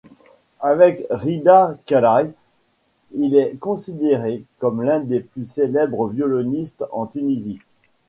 Avec Ridha Kalaï, il est considéré comme l'un des plus célèbres violonistes en Tunisie.